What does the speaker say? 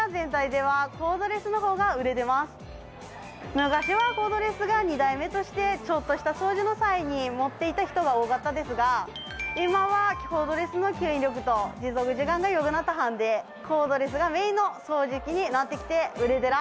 昔はコードレスが２台目としてちょっとした掃除の際に持っていた人が多かったですが今はコードレスの吸引力と持続時間が良くなったはんでコードレスがメインの掃除機になってきて売れでら！